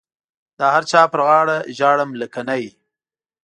د هر چا پر غاړه ژاړم لکه نی.